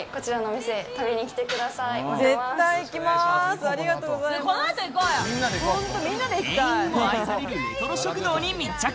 店員にも愛されるレトロ食堂に密着！